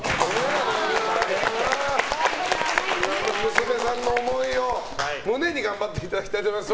娘さんの思いを胸に頑張っていただきたいと思います。